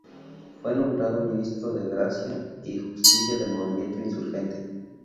Fue nombrado ministro de Gracia y Justicia del movimiento insurgente.